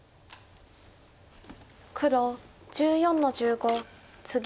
黒１４の十五ツギ。